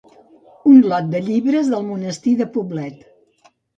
Un lot de llibres del Monestir de Poblet.